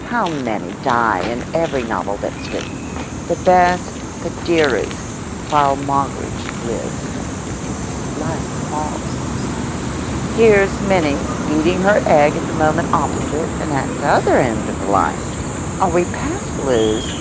How many die in every novel that's written—the best, the dearest, while Moggridge lives. It's life's fault. Here's Minnie eating her egg at the moment opposite and at t'other end of the line—are we past Lewes?